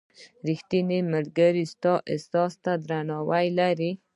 • ریښتینی ملګری ستا احساس ته درناوی لري.